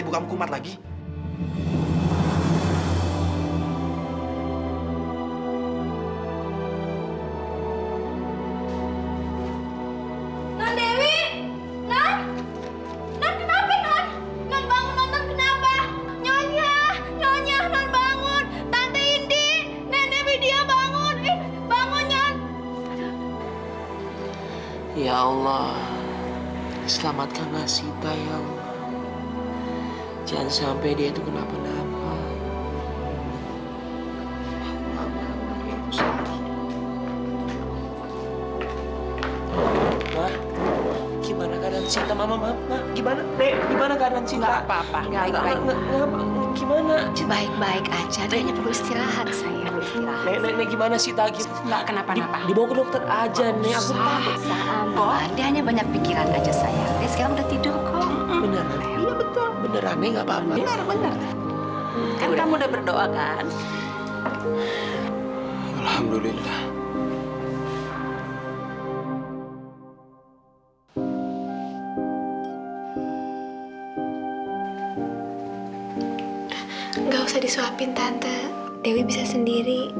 kamu udah tinggal disini